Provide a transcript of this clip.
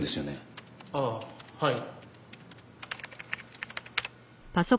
ああはい。